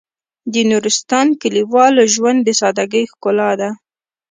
د نورستان کلیوال ژوند د سادهګۍ ښکلا ده.